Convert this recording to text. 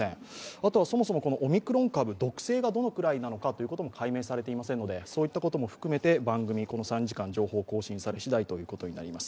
あとはそもそもオミクロン株、毒性がどのくらいなのかも解明されていませんので、そういったことも含めて、番組、情報を更新されしだいということになります。